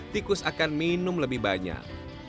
tikus akan minum lebih banyak